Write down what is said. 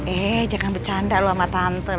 eh jangan bercanda loh sama tante